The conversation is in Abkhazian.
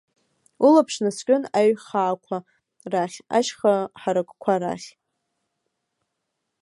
Улаԥш наскьон аиҩхаақәа рахь, ашьха ҳаракқәа рахь.